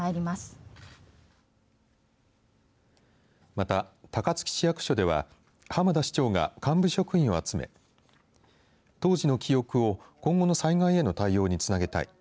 また、高槻市役所では濱田市長が幹部職員を集め当時の記憶を今後の災害への対応につなげたい。